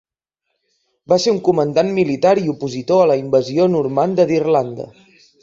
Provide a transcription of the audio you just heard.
Va ser un comandant militar i opositor a la invasió normanda d'Irlanda.